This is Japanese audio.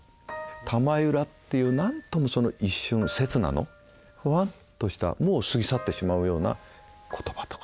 「たまゆら」っていう何ともその一瞬刹那のフワっとしたもう過ぎ去ってしまうような言葉とか。